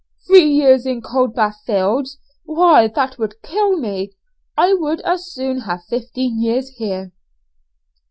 "Three years in Coldbath Fields! why that would kill me. I would as soon have fifteen years here."